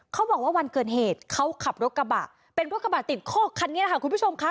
เขาบอกว่าวันเกิดเหตุเขาขับรถกระบะเป็นรถกระบะติดคอกคันนี้แหละค่ะคุณผู้ชมค่ะ